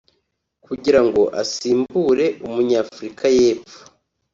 kugira ngo asimbure Umunyafurika y’Epfo